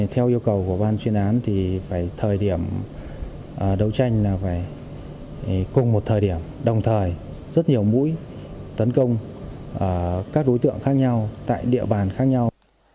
theo yêu cầu của ban chuyên án thì phải thời điểm đấu tranh là phải cùng một thời điểm đồng thời rất nhiều mũi tấn công các đối tượng khác nhau tại địa bàn khác nhau